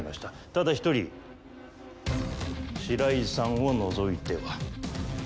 ただ１人白井さんを除いては。